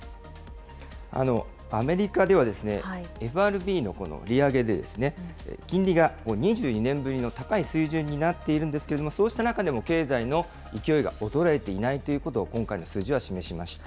アメリカではＦＲＢのこの利上げで金利が２２年ぶりの高い水準になっているんですけれども、そうした中でも経済の勢いが衰えていないということを今回の数字は示しました。